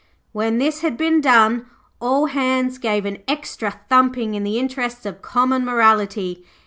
When this had been done, all hands gave them an extra thumping in the interests of common morality.